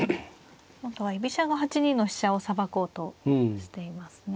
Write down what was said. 今度は居飛車が８二の飛車をさばこうとしていますね。